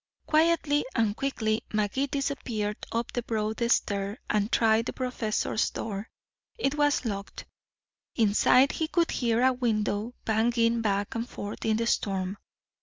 Quietly and quickly Magee disappeared up the broad stair, and tried the professor's door. It was locked. Inside he could hear a window banging back and forth in the storm.